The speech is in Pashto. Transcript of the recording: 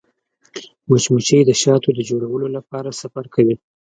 مچمچۍ د شاتو د جوړولو لپاره سفر کوي